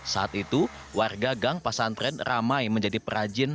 saat itu warga gang pasantren ramai menjadi perajin